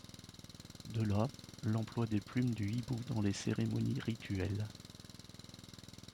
De là, l'emploi des plumes du hibou dans les cérémonies rituelles.